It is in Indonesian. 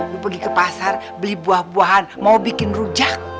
mau pergi ke pasar beli buah buahan mau bikin rujak